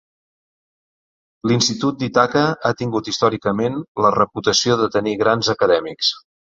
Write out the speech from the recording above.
L'Institut d'Ithaca ha tingut històricament la reputació de tenir grans acadèmics.